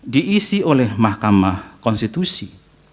diisi oleh mahkamah konstitusi